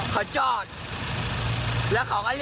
แล้วตอนนี้เขาก็ไปเลย